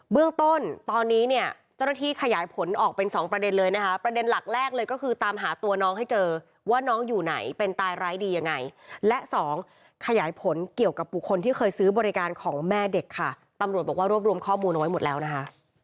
เรื่องต้นตอนนี้เนี่ยเจ้าหน้าที่ขยายผลออกเป็นสองประเด็นเลยนะคะประเด็นหลักแรกเลยก็คือตามหาตัวน้องให้เจอว่าน้องอยู่ไหนเป็นตายร้ายดียังไงและสองขยายผลเกี่ยวกับบุคคลที่เคยซื้อบริการของแม่เด็กค่ะตำรวจบอกว่ารวบรวมข้อมูลเอาไว้หมดแล้วนะคะ